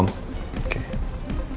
jangan lagi kaget kaget